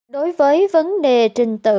đối với vấn đề trình tự